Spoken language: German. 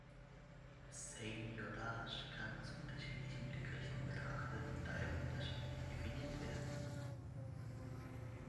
Seigniorage kann aus unterschiedlichen Blickrichtungen betrachtet und daher unterschiedlich definiert werden.